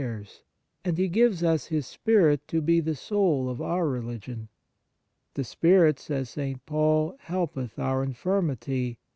43 On Piety His Spirit to be the soul of our religion. " The Spirit," says St. Paul, " helpeth our infirmity.